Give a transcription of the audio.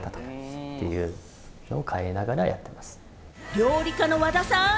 料理家の和田さん！